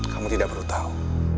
kamu tidak perlu tahu